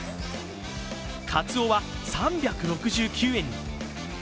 カツオは３６９円に。